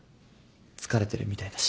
疲れてるみたいだし。